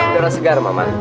dura segar mama